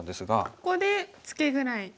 ここでツケぐらい。